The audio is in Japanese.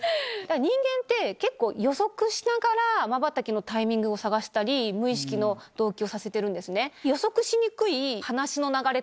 人間って予測しながらまばたきのタイミングを探したり無意識の同期をさせてるんですね。